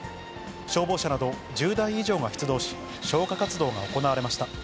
消防車など１０台以上が出動し、消火活動が行われました。